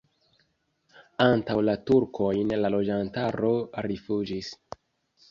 Antaŭ la turkojn la loĝantaro rifuĝis.